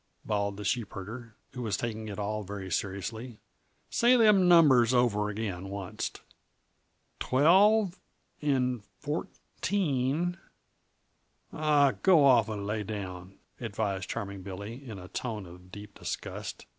bawled the sheepherder, who was taking it all very seriously. "Say them numbers over again, onc't. Twelve 'n' fourteen " "Aw, go off and lay down!" advised Charming Billy, in a tone of deep disgust.